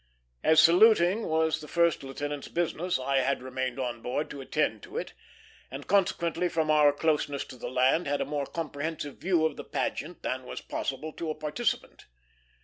As saluting was the first lieutenant's business, I had remained on board to attend to it; and consequently, from our closeness to the land, had a more comprehensive view of the pageant than was possible to a participant.